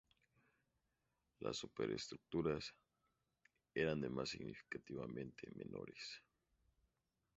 Las superestructuras, eran además significativamente menores.